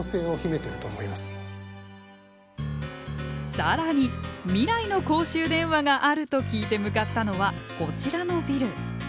更に未来の公衆電話があると聞いて向かったのはこちらのビル。